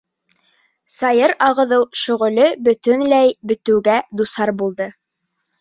Сайыр ағыҙыу шөғөлө бөтөнләй бөтөүгә дусар булды.